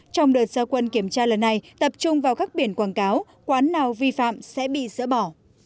trong đợt gia quân kiểm tra lần này tập trung vào các biển quảng cáo quán nào vi phạm sẽ bị dỡ bỏ